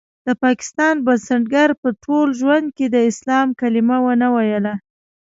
د پاکستان بنسټګر په ټول ژوند کې د اسلام کلمه ونه ويله.